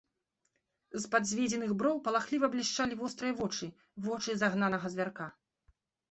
З-пад зведзеных броў палахліва блішчалі вострыя вочы, вочы загнанага звярка.